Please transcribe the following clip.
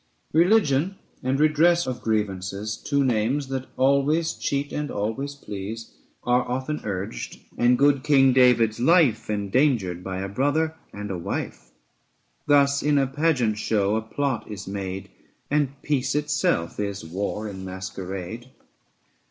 Religion and redress of grievances, Two names that always cheat and always please, Are often urged ; and good king David's life Endangered by a brother and a wife. 750 Thus in a pageant show a plot is made, And peace itself is war in masquerade.